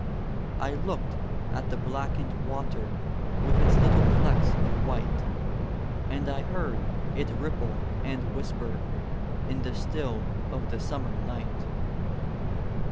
I looked at the blackened water with its little flecks of white, And I heard it ripple and whisper in the still of the Summer night.